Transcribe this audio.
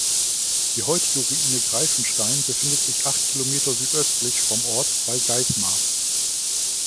Die heutige Ruine Greifenstein befindet sich acht Kilometer südöstlich vom Ort bei Geismar.